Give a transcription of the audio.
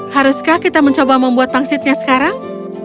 haruskah kita mencoba membuat pangsitnya sekarang